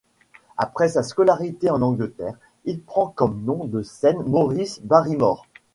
Après sa scolarité en Angleterre, il prend comme nom de scène Maurice Barrymore.